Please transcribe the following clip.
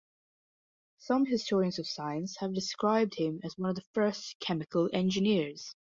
Some historians of science have described him as one of the first chemical engineers.